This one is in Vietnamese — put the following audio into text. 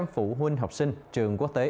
ba trăm linh phụ huynh học sinh trường quốc tế